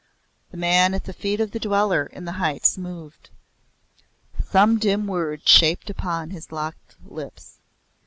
(The man at the feet of the Dweller in the Heights moved. Some dim word shaped upon his locked lips.